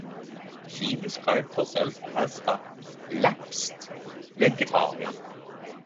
She described herself as a "lapsed vegetarian".